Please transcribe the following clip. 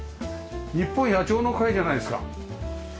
日本野鳥の会じゃないですか。